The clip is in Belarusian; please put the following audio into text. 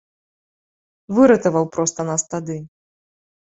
Выратаваў проста нас тады.